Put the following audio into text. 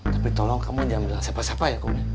tapi tolong kamu jangan bilang siapa siapa ya